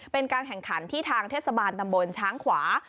เป็นการแข่งขันที่ทางเทศบาลตำบลช้างขวา